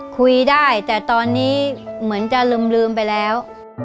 คุยได้แต่ตอนนี้เหมือนจะลืมไปแล้ว